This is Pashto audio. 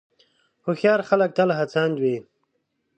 هوښیار خلک تل هڅاند وي.